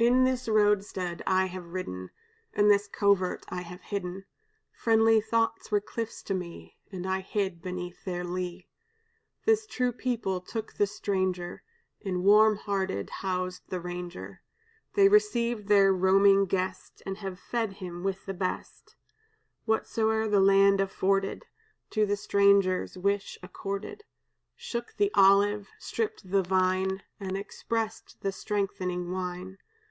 "In this roadstead I have ridden, In this covert I have hidden: Friendly thoughts were cliffs to me, And I hid beneath their lee. "This true people took the stranger, And warm hearted housed the ranger; They received their roving guest, And have fed him with the best; "Whatsoe'er the land afforded To the stranger's wish accorded, Shook the olive, stripped the vine, And expressed the strengthening wine.